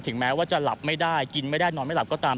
แม้ว่าจะหลับไม่ได้กินไม่ได้นอนไม่หลับก็ตาม